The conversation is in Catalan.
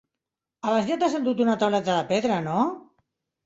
Abans ja t'has endut una tauleta de pedra, no?